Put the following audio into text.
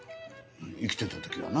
生きてたときはな。